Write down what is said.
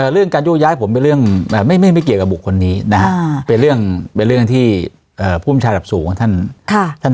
เรื่องการโยกย้ายไม่เกี่ยวกับบุคคลนี้เป็นเรื่องที่ภูมิชายดับสูงของท่าน